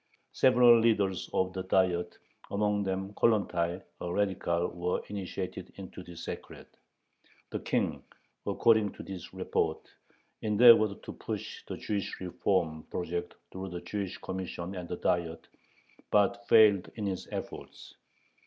Several leaders of the Diet, among them Kollontay, a radical, were initiated into the secret. The King, according to this report, endeavored to push the Jewish reform project through the Jewish Commission and the Diet, but failed in his efforts.